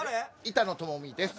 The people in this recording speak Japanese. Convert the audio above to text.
板野友美です